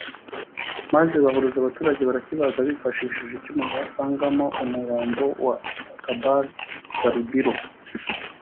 maze bahuruza abaturage barakibaga bifashishije icyuma basangamo umurambo wa Akbar Salubiro